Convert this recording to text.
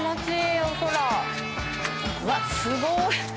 うわっすごい！